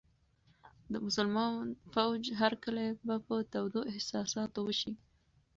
د مسلمان فوج هرکلی به په تودو احساساتو وشي.